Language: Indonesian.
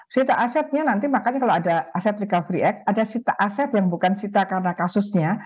sita asetnya nanti makanya kalau ada aset recovery ex ada aset yang bukan sita karena kasusnya